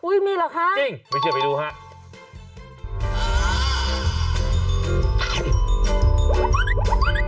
อุ๊ยมีเหรอคะจริงวิทยาไปดูครับ